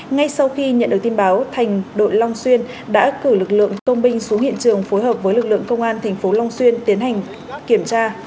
ngay sau khi nhận được tin báo thành đội long xuyên đã cử lực lượng công binh xuống hiện trường phối hợp với lực lượng công an thành phố long xuyên tiến hành kiểm tra